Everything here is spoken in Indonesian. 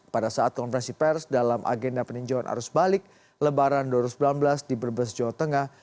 pada saat konferensi pers dalam agenda peninjauan arus balik lebaran dua ribu sembilan belas di brebes jawa tengah